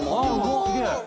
すげえ。